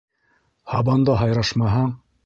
Һабанда һайрашмаһаң